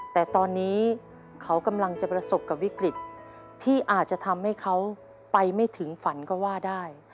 แต่ตอนนี้เขากำลังจะประสบกับวิกฤตที่อาจจะทำให้เขาไปไม่ถึงฝันก็ว่าได้